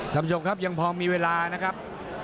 ทำจบครับยังพอมีเวลานะครับ